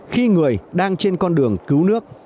khi người đang trên con đường cứu nước